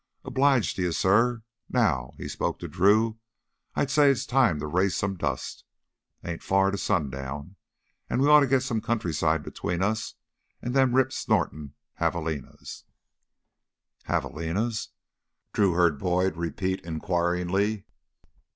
"Obliged to you, suh. Now," he spoke to Drew, "I'd say it's time to raise some dust. Ain't far to sundown, an' we oughta git some countryside between us an' them rip snortin' javalinas " "Javalinas?" Drew heard Boyd repeat inquiringly.